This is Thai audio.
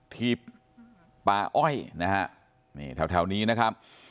ทีป้าอ้อยเนี่ยแถวนี้นะครับ